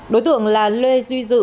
đối tượng là lê duy dự